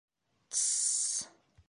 Тс-с-с!